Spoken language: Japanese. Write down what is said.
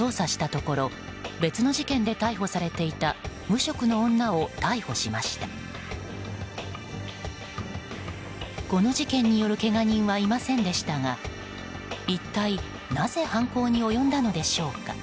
この事件によるけが人はいませんでしたが一体なぜ犯行に及んだのでしょうか。